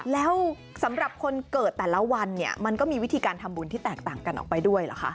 แล้วสำหรับคนเกิดแต่ละวันเนี่ยมันก็มีวิธีการทำบุญที่แตกต่างกันออกไปด้วยเหรอคะ